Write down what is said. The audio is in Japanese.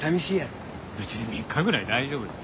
別に３日ぐらい大丈夫だよ。